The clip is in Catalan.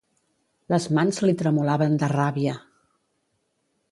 Les mans li tremolaven de ràbia.